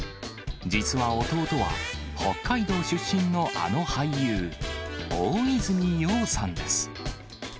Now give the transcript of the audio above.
実は弟は、北海道出身のあの俳優、大泉洋さんです。